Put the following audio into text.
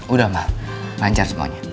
udah ma lancar semuanya